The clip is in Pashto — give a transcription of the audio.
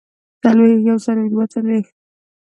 څلوېښت يوڅلوېښت دوه څلوېښت